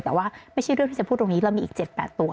แต่ว่าไม่ใช่เรื่องที่จะพูดตรงนี้เรามีอีก๗๘ตัว